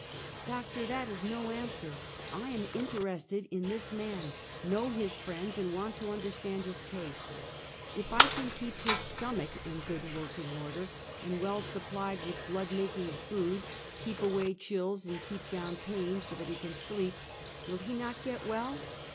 " Doctor, that is no answer. I am interested in this man, know his friends and want to understand his case. If I can keep his stomach in good working order and well supplied with blood making food, keep away chills and keejD down pain, so that he can sleep, will he not get well?"